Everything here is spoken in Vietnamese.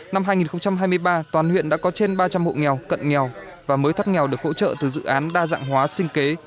năm hai nghìn hai mươi ba toàn huyện đã có trên ba trăm linh hộ nghèo cận nghèo và mới thắt nghèo được hỗ trợ từ dự án đa dạng hóa sinh kế